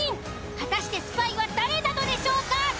果たしてスパイは誰なのでしょうか？